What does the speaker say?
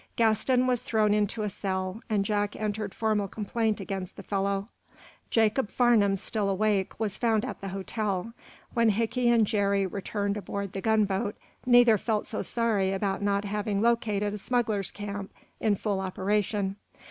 Gaston was thrown into a cell, and Jack entered formal complaint against the fellow. Jacob Farnum still awake, was found at the hotel. When Hickey and Jerry returned aboard the gunboat neither felt so sorry about not having located a smuggler's camp in full operation.